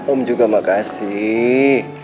om juga makasih